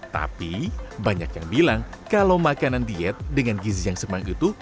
tapi banyak yang bilang kalau makanan diet dengan gizi yang semang itu